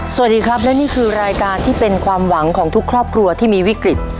สวัสดีครับและนี่คือรายการที่เป็นความหวังของทุกครอบครัวที่มีวิกฤต